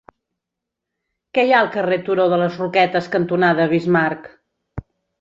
Què hi ha al carrer Turó de les Roquetes cantonada Bismarck?